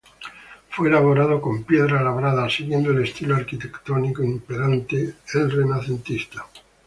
Fue elaborado con piedra labrada siguiendo el estilo arquitectónico imperante, el renacentista.